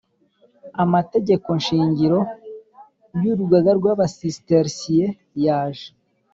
amategeko shingiro y Urugaga rw aba Cistercien yaje